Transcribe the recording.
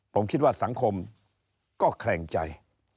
ผมคิดว่าสังคมก็แขลงใจ